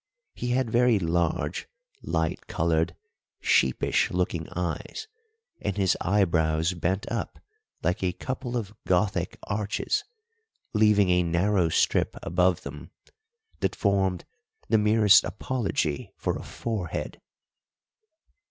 He had very large, light coloured, sheepish looking eyes, and his eyebrows bent up like a couple of Gothic arches, leaving a narrow strip above them that formed the merest apology for a forehead.